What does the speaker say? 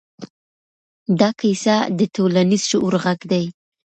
دا کیسه د ټولنیز شعور غږ دی.